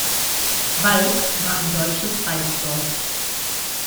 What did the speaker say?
Walk war ein deutsches Reichsdorf.